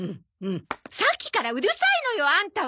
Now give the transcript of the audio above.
さっきからうるさいのよアンタは。